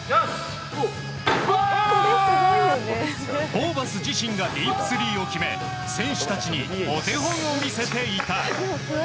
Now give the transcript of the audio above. ホーバス自身がディープスリーを決め選手たちにお手本を見せていた。